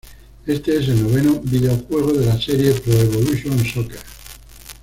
Este es el noveno videojuego de la serie Pro Evolution Soccer.